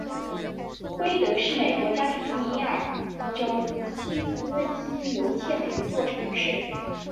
威德是美国加利福尼亚州锡斯基尤县的一座城市。